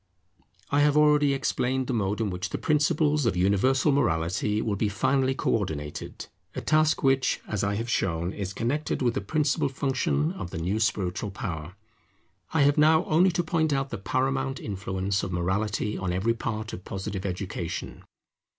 I have already explained the mode in which the principles of universal morality will be finally co ordinated; a task which, as I have shown, is connected with the principal function of the new spiritual power. I have now only to point out the paramount influence of morality on every part of Positive Education.